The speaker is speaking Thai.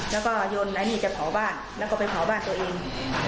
แล้วก็โยนไอ้นี่จะเผาบ้านแล้วก็ไปเผาบ้านตัวเอง